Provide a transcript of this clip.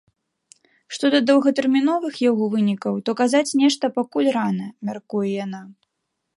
Што да доўгатэрміновых яго вынікаў, то казаць нешта пакуль рана, мяркуе яна.